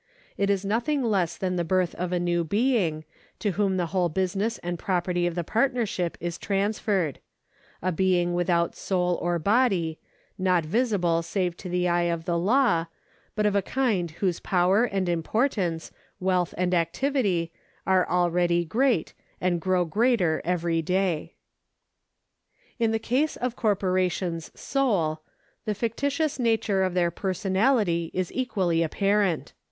It is nothing less than the birth of a new being, to whom the whole business and property of the partnership is transferred— a being without soul or body, not visible save to the eye of the law, but of a kind whose power and importance, wealth and activity, are already great, and grow greater every day. In the case of corporations sole, the fictitious nature of their personality is equally apparent.